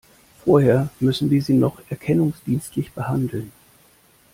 Vorher müssen wir Sie noch erkennungsdienstlich behandeln.